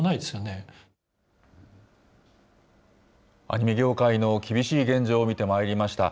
アニメ業界の厳しい現状を見てまいりました。